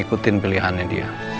kita ketemu di rumah